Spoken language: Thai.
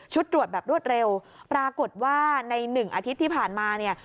ตรวจแบบรวดเร็วปรากฏว่าในหนึ่งอาทิตย์ที่ผ่านมาเนี่ย